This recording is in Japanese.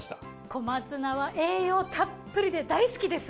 小松菜は栄養たっぷりで大好きです。